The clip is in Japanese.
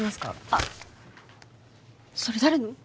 あっそれ誰の？